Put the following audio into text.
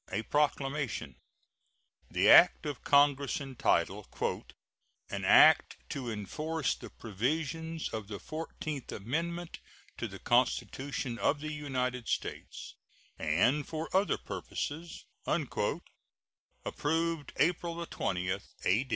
A PROCLAMATION The act of Congress entitled "An act to enforce the provisions of the fourteenth amendment to the Constitution of the United States, and for other purposes," approved April 20, A.